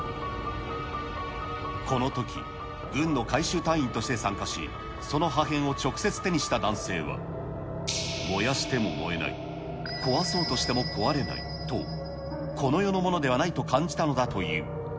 このとき、軍の回収隊員として参加し、その破片を直接手にした男性は、燃やしても燃えない、壊そうとしても壊れないと、この世のものではないと感じたのだという。